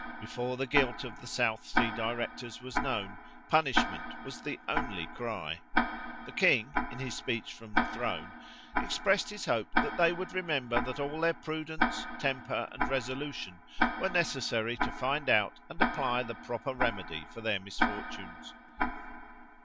Before the guilt of the South Sea directors was known, punishment was the only cry. The king, in his speech from the throne, expressed his hope that they would remember that all their prudence, temper, and resolution were necessary to find out and apply the proper remedy for their misfortunes.